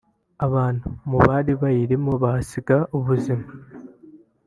abantu mu bari bayirimo bahasiga ubuzima